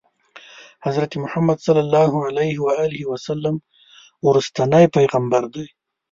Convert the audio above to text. حضرت محمد صلی الله علیه وسلم وروستنی پیغمبر دی.